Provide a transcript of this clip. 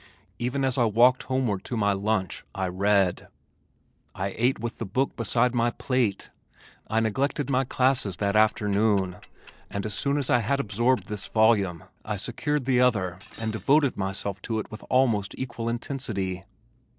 Even as I walked homeward to my lunch, I read. I ate with the book beside my plate. I neglected my classes that afternoon, and as soon as I had absorbed this volume I secured the other and devoted myself to it with almost equal intensity.